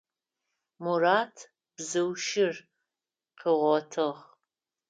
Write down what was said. Мурат бзыу щыр къыгъотыгъ.